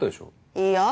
いいや？